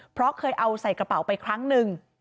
เพราะเคยเอาใส่กระเป๋าไปครั้งหนึ่ง